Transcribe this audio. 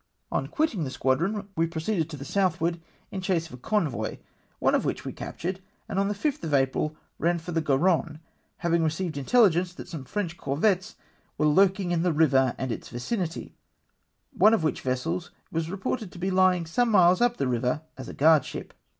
On quitting the squadron, we proceeded to the south ward in chase of a convoy, one of which we captm^ed, and on the 5 th of April ran for the Garonne, having received intelli2;ence that some French corvettes were lurking in the river and its vicinity, one of which vessels was reported to be l3^ng some miles up the river as a guardship.